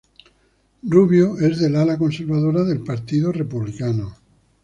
Rubio es del ala conservadora del Partido Republicano.